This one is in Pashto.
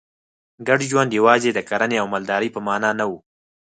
ګډ ژوند یوازې د کرنې او مالدارۍ په معنا نه و